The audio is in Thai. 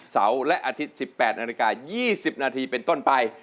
เสาร์และอาทิตย์๑๘นาฬิกา๒๐นาทีเป็นต้นไป